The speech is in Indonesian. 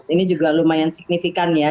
ini juga lumayan signifikan ya